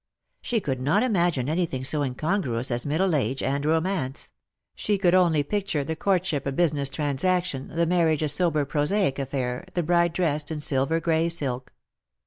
She could not imagine anything so incongruous as middle age and romance ; she could only picture the courtship a business transaction, the marriage a sober prosaic affair, the bride dressed in silver gray silk.